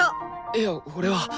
いや俺は。